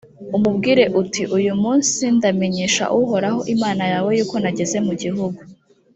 umubwire uti«uyu munsi ndamenyesha uhoraho imana yawe yuko nageze mu gihugu